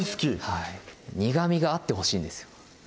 はい苦みがあってほしいんですよ